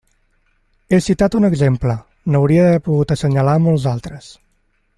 He citat un exemple; n'hauria pogut assenyalar molts altres.